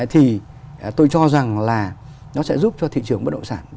thì tôi cho rằng là nó sẽ giúp cho thị trường bất động sản